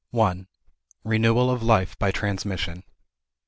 Renewal of Life by Transmission.